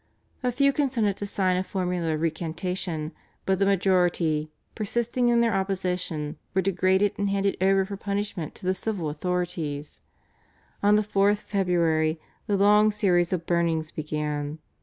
A few consented to sign a formula of recantation, but the majority, persisting in their opposition, were degraded and handed over for punishment to the civil authorities. On the 4th February the long series of burnings began.